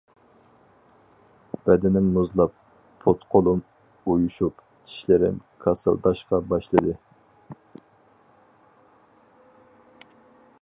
بەدىنىم مۇزلاپ، پۇت-قولۇم ئۇيۇشۇپ، چىشلىرىم كاسىلداشقا باشلىدى.